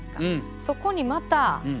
そこにまたこの。